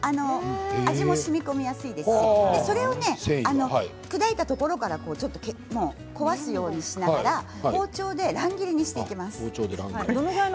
味もしみこみやすいですしそれを砕いたところから壊すようにしながら包丁で乱切りにしていきます。